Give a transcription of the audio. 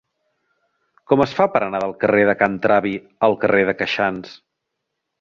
Com es fa per anar del carrer de Can Travi al carrer de Queixans?